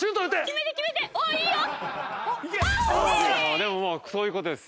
でもそういう事です。